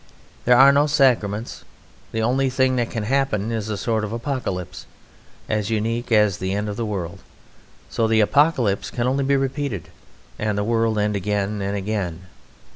There are no sacraments; the only thing that can happen is a sort of apocalypse, as unique as the end of the world; so the apocalypse can only be repeated and the world end again and again.